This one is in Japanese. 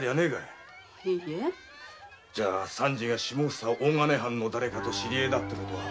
じゃ三次が下総大金藩のだれかと知り合いだって事は？